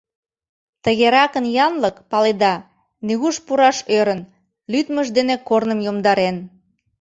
Тыгеракын янлык, паледа, нигуш пураш ӧрын, лӱдмыж дене корным йомдарен.